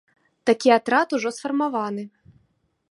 Такі атрад ужо сфармаваны.